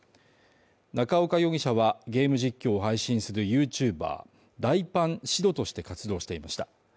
中岡容疑者は、ゲーム実況を配信するＹｏｕＴｕｂｅｒ台パンシロとして活動していました。